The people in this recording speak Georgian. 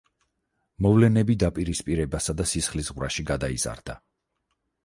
მოვლენები დაპირისპირებასა და სისხლისღვრაში გადაიზარდა.